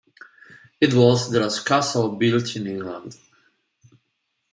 It was the last castle built in England.